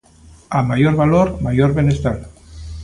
A maior valor, maior benestar.